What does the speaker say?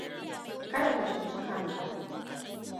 Kada ka cuci kanka.